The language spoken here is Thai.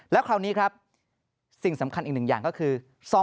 แล้วคราวนี้ครับสิ่งสำคัญอีกหนึ่งอย่างก็คือ